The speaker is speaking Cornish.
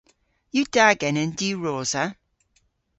Yw da genen diwrosa?